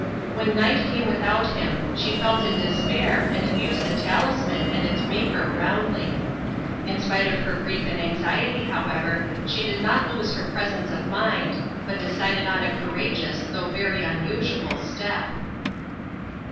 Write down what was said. When night came without him she felt in despair and abused the talisman and its maker roundly. In spite of her grief and anxiety however, she did not lose her presence of mind, but decided on a courageous, though very unusual step.